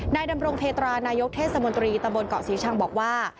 ดำรงเพตรานายกเทศมนตรีตำบลเกาะศรีชังบอกว่า